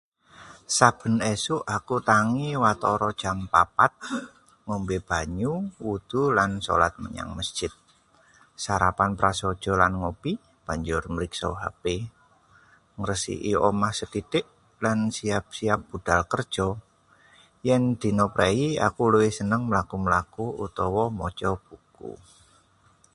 Saben esuk aku tangi watara jam 4, ngombe banyu, wudhu lan sholat menyang mesjid. sarapan prasaja lan ngopi. Banjur mriksa HP, ngresiki omah sethithik, lan siyap-siyap budhal kerja. Yen dina prei, aku luwih seneng mlaku-mlaku utawa maca buku.